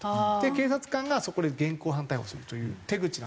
警察官がそこで現行犯逮捕するという手口なんですけど。